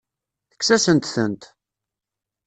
Tekkes-asent-tent.